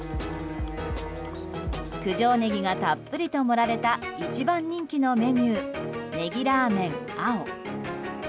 九条ネギがたっぷりと盛られた一番人気のメニューネギラーメン青。